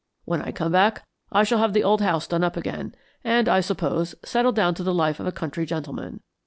When I come back I shall have the old house done up again, and, I suppose, settle down to the life of a country gentleman.